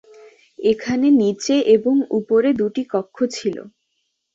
এখানে নিচে এবং উপরে দু’টি কক্ষ ছিল।